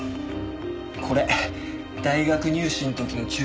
これ大学入試の時の受験番号。